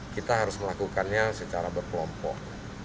kita harus melakukannya secara berkelompok